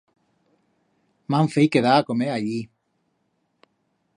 M'han feit quedar a comer allí.